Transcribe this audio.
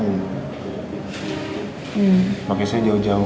hmm makanya saya jauh jauh